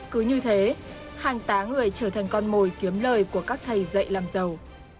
cứ như thế hàng tá người trở thành con mồi kiếm lời của các thầy dạy làm giàu